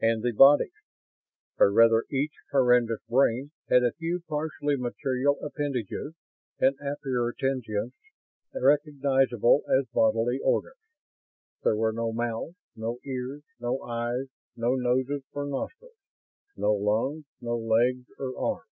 And the bodies! Or, rather, each horrendous brain had a few partially material appendages and appurtenances recognizable as bodily organs. There were no mouths, no ears, no eyes, no noses or nostrils, no lungs, no legs or arms.